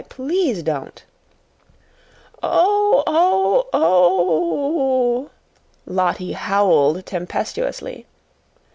Please don't!" "Oh! Oh! Oh! Oh! Oh!" Lottie howled tempestuously.